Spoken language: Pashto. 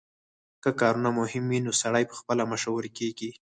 که کارونه مهم وي نو سړی پخپله مشهور کیږي